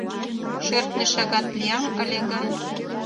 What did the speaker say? Шӧртньӧ шагат лиям ыле гын